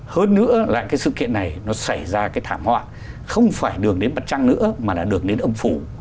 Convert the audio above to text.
hơn nữa là cái sự kiện này nó xảy ra cái thảm họa không phải đường đến mặt trăng nữa mà là đường đến âm phủ